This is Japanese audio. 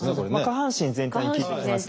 下半身全体に効いてきますね。